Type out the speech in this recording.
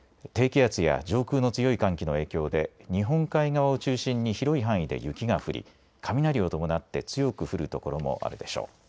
低気圧や上空の強い寒気の影響で日本海側を中心に広い範囲で雪が降り雷を伴って強く降る所もあるでしょう。